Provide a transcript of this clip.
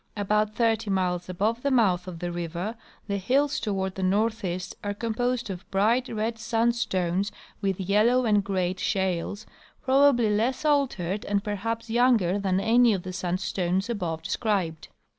About thirty miles above the mouth of the river the hills toward the northeast are com230sed of bright red sandstones with yellow and gray shales, probably less altered and perhaps younger than any of the sandstones above described.